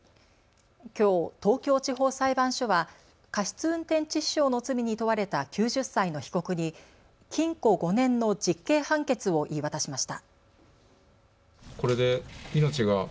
きょう、東京地方裁判所は過失運転致死傷の罪に問われた９０歳の被告に禁錮５年の実刑判決を言い渡しました。